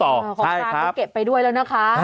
ของกลางก็เก็บไปด้วยแล้วนะคะ